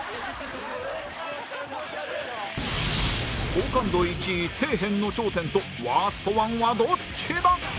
好感度１位底辺の頂点とワースト１はどっちだ？